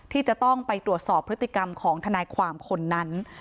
ที่จะต้องไปตรวจสอบพฤติกรรมของทนายความคนนั้น